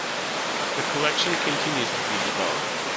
The collection continues to be developed.